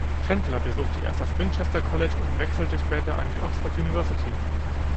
Chandler besuchte erst das Winchester College und wechselte später an die Oxford University.